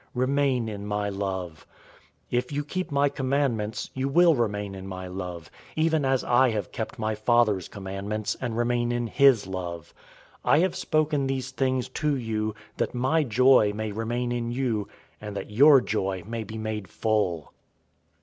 Remain in my love. 015:010 If you keep my commandments, you will remain in my love; even as I have kept my Father's commandments, and remain in his love. 015:011 I have spoken these things to you, that my joy may remain in you, and that your joy may be made full.